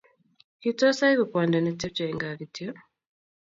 Kitose aek kwondo netebye eng gaa kityo